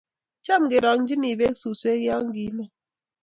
cham ke rong'chini beek suswek ya kiimen